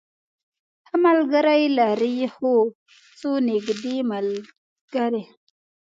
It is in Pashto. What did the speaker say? ښه ملګری لرئ؟ هو، څو نږدې ملګری